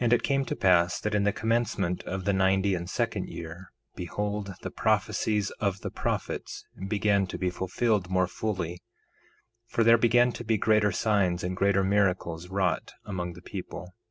1:4 And it came to pass that in the commencement of the ninety and second year, behold, the prophecies of the prophets began to be fulfilled more fully; for there began to be greater signs and greater miracles wrought among the people.